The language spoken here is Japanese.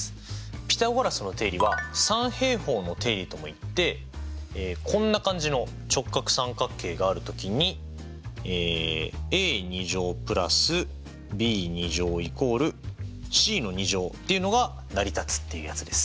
ピタゴラスの定理は三平方の定理ともいってこんな感じの直角三角形がある時にっていうのが成り立つっていうやつです。